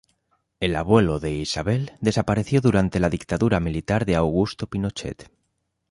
El abuelo de Isabel desapareció durante la dictadura militar de Augusto Pinochet.